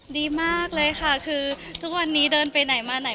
ดีมากเลยค่ะคือทุกวันนี้เดินไปไหนมาไหน